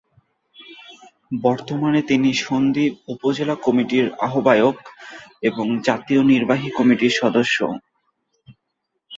বর্তমানে তিনি সন্দ্বীপ উপজেলা বিএনপির আহবায়ক এবং জাতীয় নির্বাহী কমিটির সদস্য।